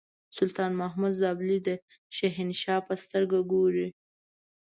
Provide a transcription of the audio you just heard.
سلطان محمود زابلي د شهنشاه په سترګه ګوري.